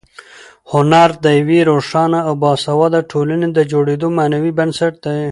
هنر د یوې روښانه او باسواده ټولنې د جوړېدو معنوي بنسټ دی.